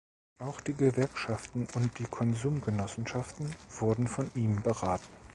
Auch die Gewerkschaften und die Konsumgenossenschaften wurden von ihm beraten.